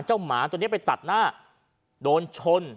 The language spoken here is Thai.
หมาตัวนี้ไปตัดหน้าโดนชน